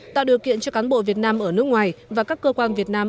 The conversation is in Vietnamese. tạo điều kiện cho cán bộ việt nam ở nước ngoài và các cơ quan việt nam